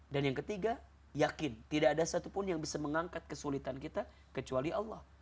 dan yang ketiga yakin tidak ada satupun yang bisa mengangkat kesulitan kita kecuali allah